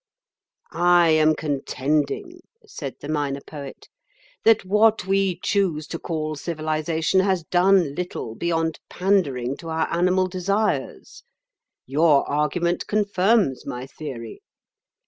"I am contending," said the Minor Poet, "that what we choose to call civilisation has done little beyond pandering to our animal desires. Your argument confirms my theory.